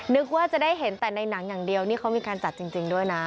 นึกว่าจะได้เห็นแต่ในหนังอย่างเดียวนี่เขามีการจัดจริงด้วยนะ